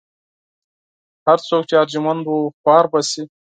هر څوک چې ارجمند و خوار به شي.